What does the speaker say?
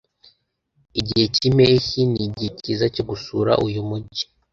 Igihe cy'impeshyi nigihe cyiza cyo gusura uyu mujyi